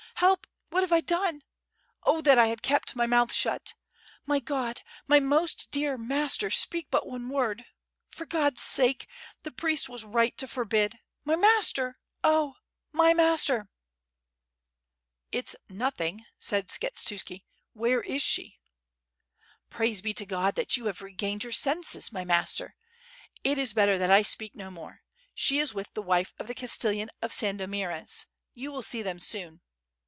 Help! what have I done! Oh, that I had kept my mouth shut! My God! my most dear master, speak but one word ... .for God's sake! the priest was right to forbid. My master! Oh, .... my master!" *.... "If s nothing," said Skshetuski, "where is she?" "Praise be to God that you have regained your senses .... my master. It is better that I speak no more. She is with the wife of the Castellan of Sandomierz, you will see them soon